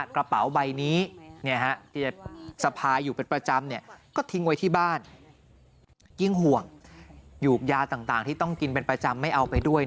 กระเป๋าใบนี้สะพายอยู่เป็นประจำก็ทิ้งไว้ที่บ้านยิ่งห่วงอยู่ยาต่างที่ต้องกินเป็นประจำไม่เอาไปด้วย